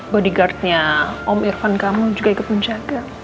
bodyguard nya om irfan kamu juga ikut menjaga